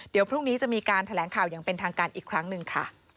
เดี๋ยวพรุ่งนี้จะมีการแถลงข่าวอย่างเป็นทางการอีกครั้งหนึ่งค่ะ